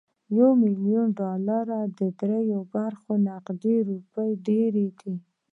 د يو ميليارد ډالرو درېيمه برخه نغدې روپۍ ډېرې دي.